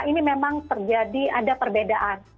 ini memang terjadi ada perbedaan